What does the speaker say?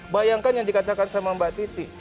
bayangkan yang dikatakan sama mbak titi